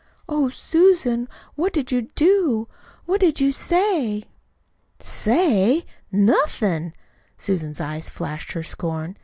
"Oh, Susan, what did you do? What did you say?" "Say? Nothin'!" Susan's eyes flashed her scorn.